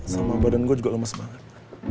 sama badan gue juga lemes banget